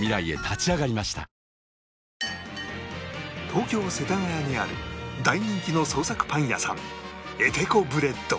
東京世田谷にある大人気の創作パン屋さん ｔｃｏｂｒｅａｄ